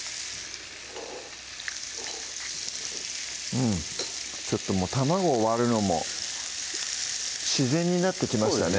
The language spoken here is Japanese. うんちょっと卵を割るのも自然になってきましたね